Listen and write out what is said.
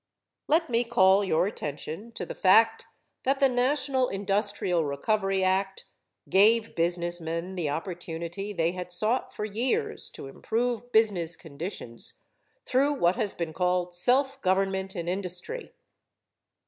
Let me call your attention to the fact that the national Industrial Recovery Act gave businessmen the opportunity they had sought for years to improve business conditions through what has been called self government in industry.